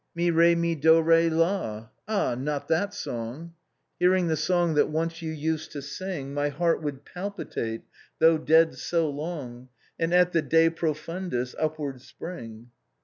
" Mi, re, mi, do, re, la, — ah ! not that song ! Hearing the song that once you used to sing My heart would palpitate — though dead so long—^ And, at the De Prof undis, upward spring.